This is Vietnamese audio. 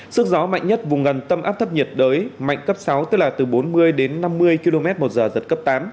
sức gió mạnh nhất vùng gần tâm áp thấp nhiệt đới mạnh cấp sáu tức là từ bốn mươi đến năm mươi km một giờ giật cấp tám